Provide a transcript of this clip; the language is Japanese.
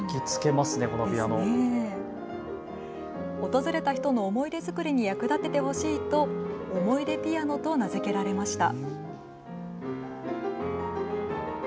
訪れた人の思い出造りに役立ててほしいとおもいでピアノと名付けられました。